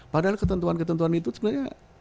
padahal ketentuan ketentuan itu sebenarnya